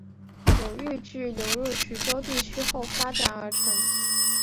由豫剧流入徐州地区后发展而成。